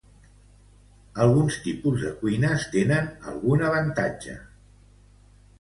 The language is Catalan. Alguns tipus de cuines tenen algun avantatge sobre altres tipus.